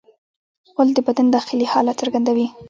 غول د بدن داخلي حالت څرګندوي.